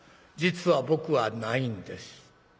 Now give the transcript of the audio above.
実は僕はないんです。